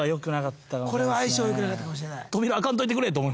これは相性良くなかったかもしれない。